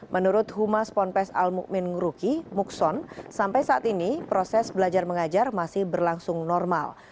menurut humas pompes al mu'min ngeruki mukson sampai saat ini proses belajar mengajar masih berlangsung normal